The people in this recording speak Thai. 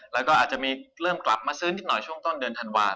แล้วก็อาจจะมีเริ่มกลับมาซื้อนิดหน่อยช่วงต้นเดือนธันวาค